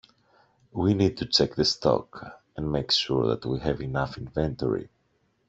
We need to check the stock, and make sure that we have enough inventory